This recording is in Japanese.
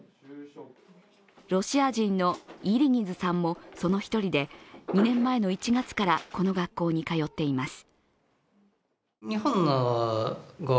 ロシア人のイリギズさんもその一人で２年前の１月からこの学校に通っています。